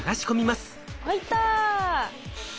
入った！